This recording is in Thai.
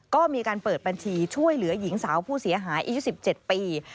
ก็มีการเปิดบัญชีช่วยเหลือหญิงสาวผู้เสียหายอายุ๑๗ปี